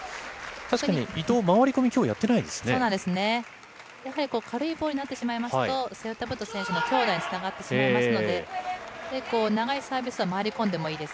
確かに伊藤、回り込み、軽いボールになってしまいますと、セウタブット選手の強打につながってしまいますので、長いサービスは回り込んでもいいです。